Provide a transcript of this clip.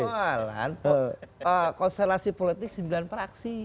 ini persoalan selatih politik sembilan praksi